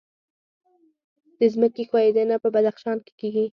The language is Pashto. د ځمکې ښویدنه په بدخشان کې کیږي